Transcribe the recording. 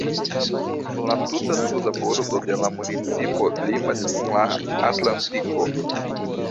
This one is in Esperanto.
La tuta suda bordo de la municipo limas kun la Atlantiko.